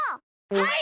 はい！